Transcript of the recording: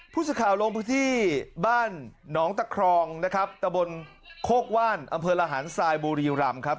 ผู้ชาขาวลงพื้นที่บ้านนตะครองตะบนโฆกว่านอำเภอละหารสายบูรีรำ